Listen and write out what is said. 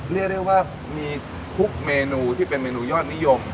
เรียกได้ว่ามีทุกเมนูที่เป็นเมนูยอดนิยม